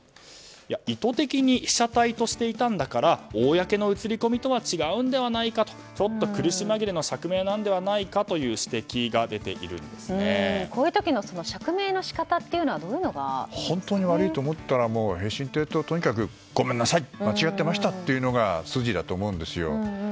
意図的に被写体としていたんだから公の映り込みとは違うのではないかとちょっと苦し紛れの釈明ではないかというこういう時の釈明は本当に悪いと思ったら平身低頭とにかくごめんなさい間違っていましたって言うのが筋だと思うんですよ。